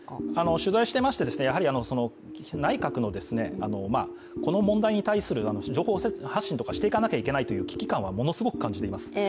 取材してまして、内閣のこの問題に対する情報発信とかをしていかなければいけないという危機感はものすごく感じています。